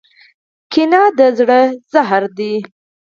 کینه د زړه زهر دی.